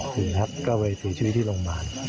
หรือหักว้อยฝี่ชีวิตที่โลงบาล